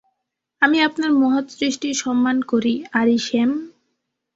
আমি আপনার মহৎ সৃষ্টির সম্মান করি, আরিশেম।